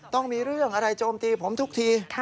ต้องมีเรื่องอะไรโจมตีผมทุกที